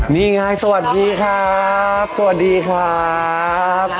นี่ไงสวัสดีครับสวัสดีครับ